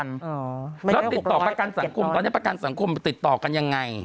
แล้วติดต่อการประกันศังคมต้องทำให้ติดต่อการอย่างไร